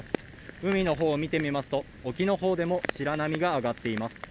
海の方を見てみますと、沖の方でも白波が上がっています。